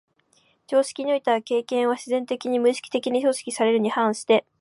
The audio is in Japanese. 常識においては経験は自然的に、無意識的に組織されるに反して、